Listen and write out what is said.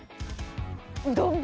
うどんで。